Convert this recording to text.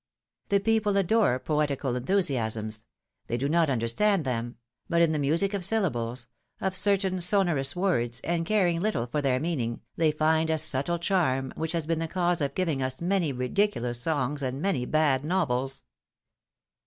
The people adore poetical enthusiasms; they do not understand them — but in the music of syllables — of certain sonorous words, and caring little for their meaning, they find a subtle charm, which has been the cause of giving us many ridiculous songs and many bad novels.